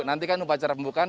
nanti kan upacara pembukaan